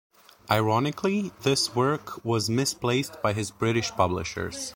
Ironically, this work was "misplaced" by his British publishers.